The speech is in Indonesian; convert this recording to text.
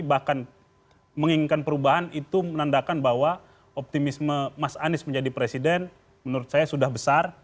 bahkan menginginkan perubahan itu menandakan bahwa optimisme mas anies menjadi presiden menurut saya sudah besar